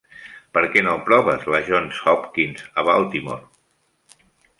Per què no proves la Johns Hopkins a Baltimore?